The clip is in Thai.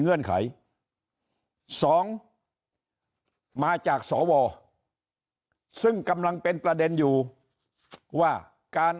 เงื่อนไขสองมาจากสวซึ่งกำลังเป็นประเด็นอยู่ว่าการ